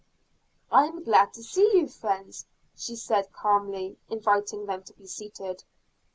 "I am glad to see you, friends," she said calmly, inviting them to be seated.